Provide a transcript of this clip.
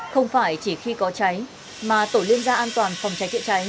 không phải chỉ khi có cháy mà tổ liên gia an toàn phòng cháy chữa cháy